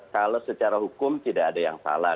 kalau secara hukum tidak ada yang salah